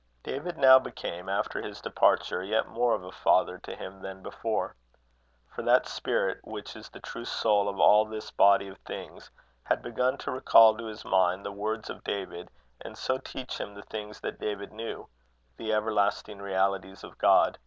David now became, after his departure, yet more of a father to him than before, for that spirit, which is the true soul of all this body of things, had begun to recall to his mind the words of David, and so teach him the things that David knew, the everlasting realities of God.